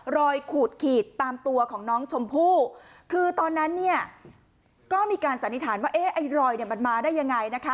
ขูดขีดตามตัวของน้องชมพู่คือตอนนั้นเนี่ยก็มีการสันนิษฐานว่าเอ๊ะไอ้รอยเนี่ยมันมาได้ยังไงนะคะ